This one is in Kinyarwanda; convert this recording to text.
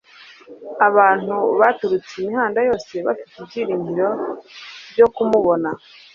abantu baturutse imihanda yose bafite ibyiringiro byo kumubona.